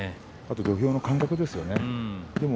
土俵の感覚ですよね。